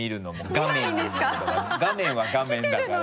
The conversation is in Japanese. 画面は画面だから。